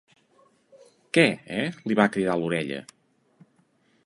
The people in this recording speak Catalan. Què, eh? —li va cridar a l'orella.